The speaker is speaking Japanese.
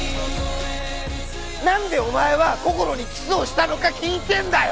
なんでお前はこころにキスをしたのか聞いてんだよ！